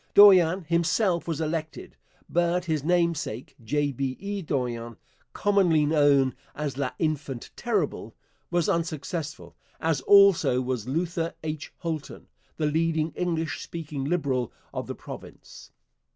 Dorion himself was elected, but his namesake J. B. E. Dorion, commonly known as l'enfant terrible, was unsuccessful, as also was Luther H. Holton, the leading English speaking Liberal of the province.